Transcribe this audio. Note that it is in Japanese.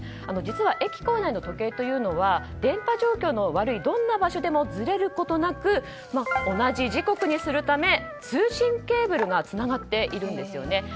実は駅構内の時計というのは電波状況の悪いどんな場所でもずれることなく同じ時刻にするため通信ケーブルがつながっているんですよね。